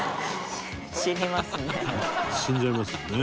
死んじゃいますよね。